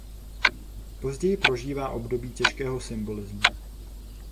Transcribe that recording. Později prožívá období těžkého symbolismu.